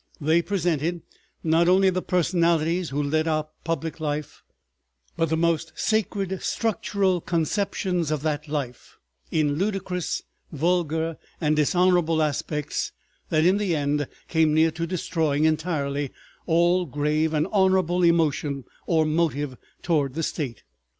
They presented not only the personalities who led our public life, but the most sacred structural conceptions of that life, in ludicrous, vulgar, and dishonorable aspects that in the end came near to destroying entirely all grave and honorable emotion or motive toward the State.